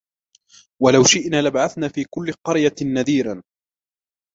وَلَوْ شِئْنَا لَبَعَثْنَا فِي كُلِّ قَرْيَةٍ نَذِيرًا